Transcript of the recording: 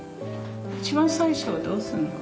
一番最初はどうするの？